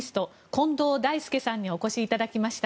近藤大介さんにお越しいただきました。